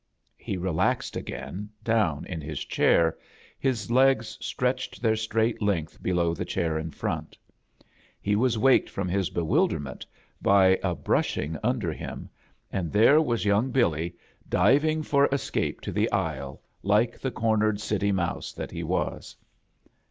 He relaxed again, down in his chair, his legs stretched their straight length below the chair in frcnt. He was waked from his bewilderment by a brushing under him, and there was young BtUy diving A JOURNEY IN SEARCH OF CHRISTHAS for escape to the aisle, like the cornered City Mouse that he was.